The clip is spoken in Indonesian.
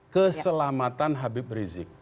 keselamatan habib rizik